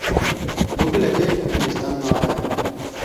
Bi gulekê gulîstan nabe.